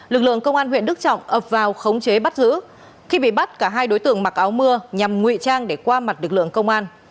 lực lượng công an huyện đức trọng ập vào khống chế bắt giữ khi bị bắt cả hai đối tượng mặc áo mưa nhằm ngụy trang để qua mặt lực lượng công an